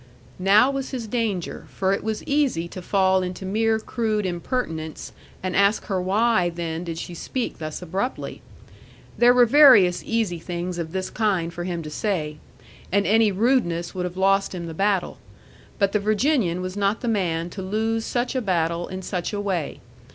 Now was his danger; for it was easy to fall into mere crude impertinence and ask her why, then, did she speak thus abruptly? There were various easy things of this kind for him to say. And any rudeness would have lost him the battle. But the Virginian was not the man to lose such a battle in such a way.